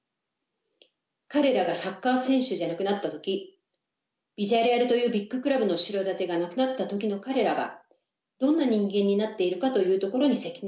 彼らがサッカー選手じゃなくなった時ビジャレアルというビッグクラブの後ろ盾がなくなった時の彼らがどんな人間になっているかというところに責任を持つ。